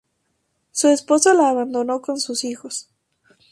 Su esposo la abandonó con sus hijos.